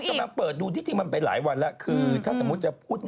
กำลังเปิดดูที่จริงมันไปหลายวันแล้วคือถ้าสมมุติจะพูด